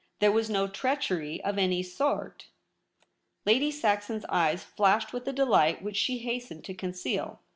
There was no treachery of any sort.' Lady Saxon's eyes flashed with a delight which she hastened to conceal.